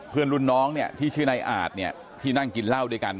รุ่นน้องเนี่ยที่ชื่อนายอาจเนี่ยที่นั่งกินเหล้าด้วยกัน